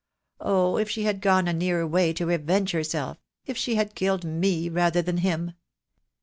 Oh, if she had gone a nearer way to revenge herself — if she had killed me, rather than him.